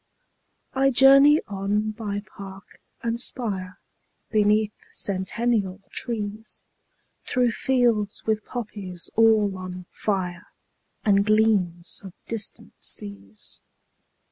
20 I journey on by park and spire, Beneath centennial trees, Through fields with poppies all on fire, And gleams of distant seas.